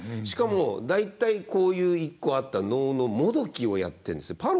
しかも大体こういう一個あった能のもどきをやってるんですよ。